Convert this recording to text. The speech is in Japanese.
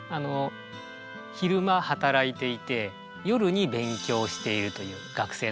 昼間働いていて夜に勉強しているという学生のことなんですね。